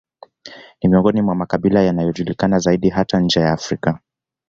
Ni miongoni mwa makabila yanayojulikana zaidi hata nje ya Afrika